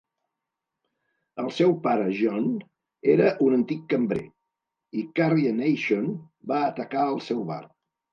El seu pare, John, era un antic cambrer, i Carrie Nation va atacar el seu bar.